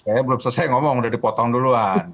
kayaknya belum selesai ngomong udah dipotong duluan